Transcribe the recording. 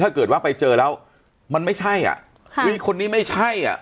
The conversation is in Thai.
ถ้าเกิดว่าไปเจอแล้วมันไม่ใช่อ่ะค่ะอุ้ยคนนี้ไม่ใช่อ่ะ